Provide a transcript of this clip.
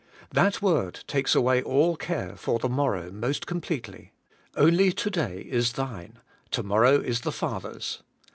That word takes away all care for the morrow most completely. Only to day is thine; to morrow is the Father's.